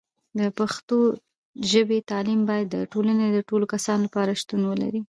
د پښتو ژبې تعلیم باید د ټولنې د ټولو کسانو لپاره شتون ولري.